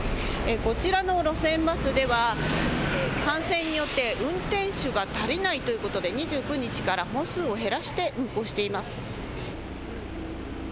こちらの路線バスでは感染によって運転手が足りないということで２９日から本数を減らして運行しています。